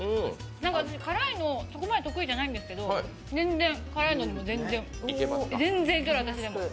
私辛いのそこまで得意じゃないんですけど、辛いのも全然いける、私。